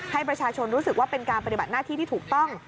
ให้ประชาชนรู้สึกว่าเป็นการปฏิบัติหน้าที่ที่ถูกต้อง